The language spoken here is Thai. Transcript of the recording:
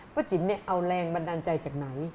จิ๋มเอาแรงบันดาลใจจากไหน